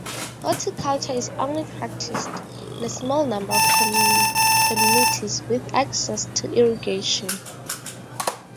Horticulture is only practised in a small number of communities with access to irrigation.